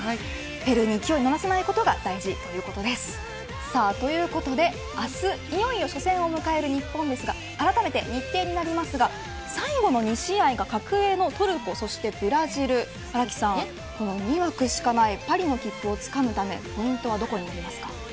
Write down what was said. ペルーに勢いに乗らせないことが大事ということですね。ということで、明日、いよいよ初戦を迎える日本ですがあらためて日程になりますが最後の２試合が格上のトルコそしてブラジルこの２枠しかないパリの切符をつかむためのポイントはどこですか。